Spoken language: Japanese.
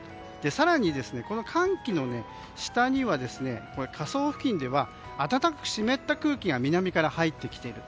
更に、この寒気の下下層付近では暖かく湿った空気が南から入ってきている。